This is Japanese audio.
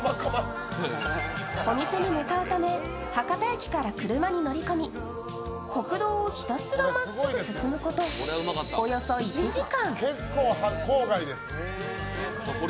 お店に向かうため、博多駅から車に乗り込み、国道をひたすらまっすぐ進むこと、およそ１時間。